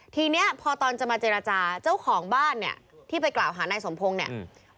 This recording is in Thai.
ทีเนี้ยพอตอนจะมาเจรจาเจ้าของบ้านเนี่ยที่ไปกล่าวหานายสมพงศ์เนี่ย